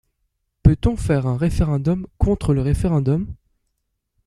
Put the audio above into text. Peut-on faire un referendum contre le referendum?